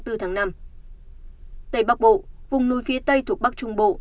tây bắc bộ vùng núi phía tây thuộc bắc trung bộ